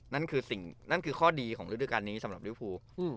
นั่นคือสิ่งนั่นคือข้อดีของฤดูการนี้สำหรับริวภู